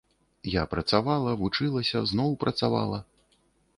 Я працавала, вучылася, зноў працавала.